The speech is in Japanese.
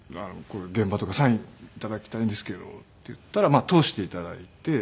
「サイン頂きたいんですけど」って言ったら通して頂いて。